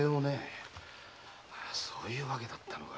そういう訳だったのか。